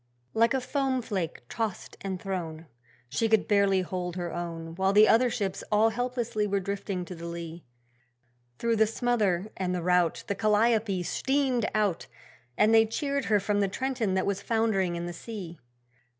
Like a foam flake tossed and thrown, She could barely hold her own, While the other ships all helplessly were drifting to the lee. Through the smother and the rout The 'Calliope' steamed out And they cheered her from the Trenton that was foundering in the sea.